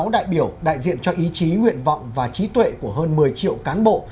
chín trăm chín mươi sáu đại biểu đại diện cho ý chí nguyện vọng và trí tuệ của hơn một mươi triệu cán bộ